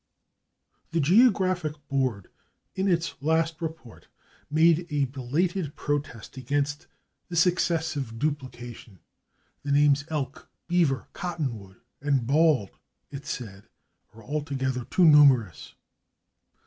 The Geographic Board, in its last report, made a belated protest against this excessive duplication. "The names /Elk/, /Beaver/, /Cottonwood/ and /Bald/," it said, "are altogether too numerous."